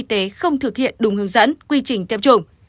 đồng nghĩa là cán bộ y tế không thực hiện đúng hướng dẫn quy trình tiêm chủng